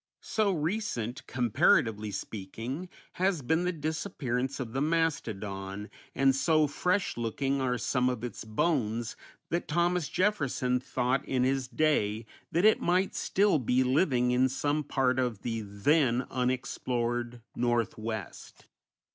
So recent, comparatively speaking, has been the disappearance of the mastodon, and so fresh looking are some of its bones, that Thomas Jefferson thought in his day that it might still be living in some part of the then unexplored Northwest.